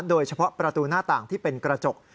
โดยเฉพาะประตูหน้าต่างที่เป็นกระจก